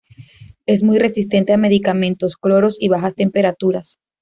Es muy resistente a medicamentos, cloro, y bajas temperaturas.